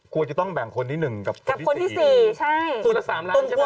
ควรจะต้องแบ่งคนนี้หนึ่งกับคนที่๔สู่ละ๓ล้านใช่ไหม